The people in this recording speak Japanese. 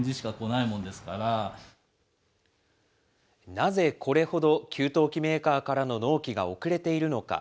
なぜこれほど給湯器メーカーからの納期が遅れているのか。